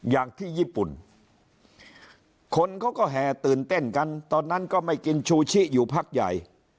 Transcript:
อย่างที่ญี่ปุ่นคนเขาก็แห่ตื่นเต้นกันตอนนั้นก็ไม่กินชูชิอยู่พักใหญ่